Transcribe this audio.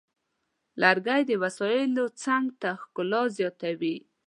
لرګی د وسایلو څنګ ته ښکلا زیاتوي.